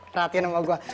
perhatian sama gua